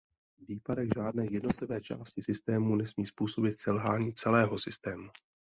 Výpadek žádné jednotlivé části systému nesmí způsobit selhání celého systému.